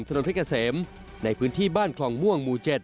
ถนนพระเกษมในพื้นที่บ้านคลองม่วงมู๗